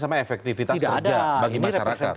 sama efektivitas kerja bagi masyarakat